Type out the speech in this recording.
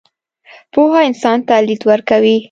پوهه انسان ته لید ورکوي.